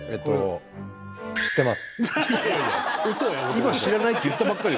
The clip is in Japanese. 今「知らない」って言ったばっかり。